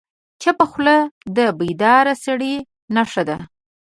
چپه خوله، د بیدار سړي نښه ده.